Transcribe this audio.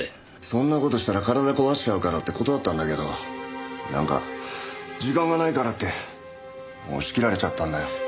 そんな事したら体壊しちゃうからって断ったんだけどなんか時間がないからって押し切られちゃったんだよ。